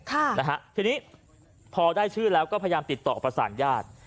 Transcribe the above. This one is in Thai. ค่ะนะฮะทีนี้พอได้ชื่อแล้วก็พยายามติดต่อประสานญาติ